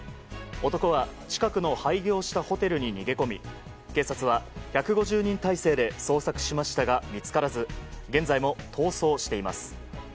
男は近くの廃業したホテルに逃げ込み警察は１５０人態勢で捜索しましたが見つからず現在も逃走しています。